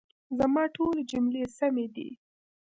زما ټولي جملې سمي دي؟